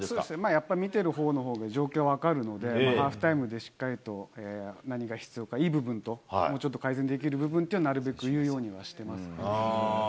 やっぱり見てるほうのほうが状況が分かるので、ハーフタイムでしっかりと何が必要か、いい部分ともうちょっと改善できる部分っていうのを、なるべく言うようにはしてますね。